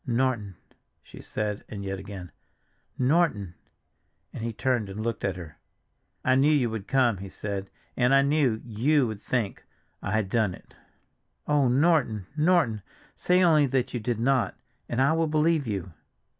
"Norton!" she said and yet again, "Norton!" and he turned and looked at her. "I knew you would come," he said, "and I knew—you would think—I had done it." "Oh, Norton, Norton! Say only that you did not, and I will believe you."